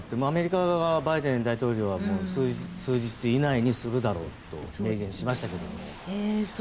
アメリカはバイデン大統領は数日以内にするだろうと明言しましたけども。